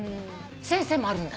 先生もあるんだ。